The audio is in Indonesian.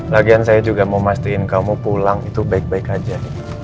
lagian saya juga mau mastuin kamu pulang itu baik baik aja